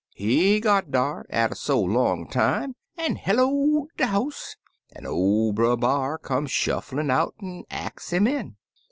He got dar, atter so long a time, an' hello'd de house, an' oF Brer B*ar come shufflin' out an' ax him in.